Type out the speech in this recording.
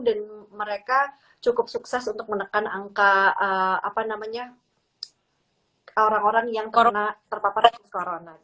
dan mereka cukup sukses untuk menekan angka orang orang yang terpaparkan corona